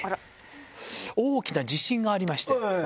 大きな地震がありまして。